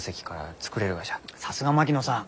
さすが槙野さん。